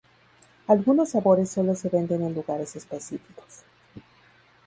Algunos sabores solo se venden en lugares específicos.